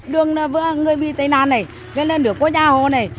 đường là người bị tây nan này nên là nước có nhà hồ này